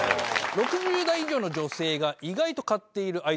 ６０代以上の女性が意外と買っているアイドルグッズ。